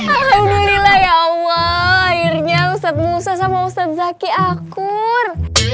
alhamdulillah ya allah akhirnya ustadz musa sama ustadz zaki akur